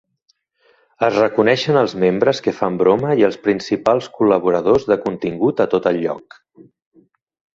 Es reconeixen els membres que fan broma i els principals col·laboradors de contingut a tot el lloc.